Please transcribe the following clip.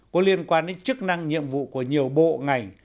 có liên quan đến chức năng nhiệm vụ của nhiều bộ ngành